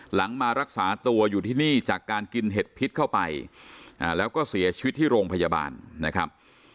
มารักษาตัวอยู่ที่นี่จากการกินเห็ดพิษเข้าไปแล้วก็เสียชีวิตที่โรงพยาบาลนะครับ